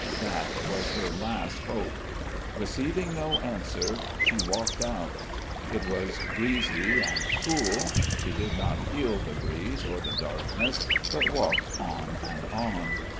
That was her last hope. Receiving no answer, she walked out. It was breezy and cool. She did not feel the breeze or the darkness but walked on and on....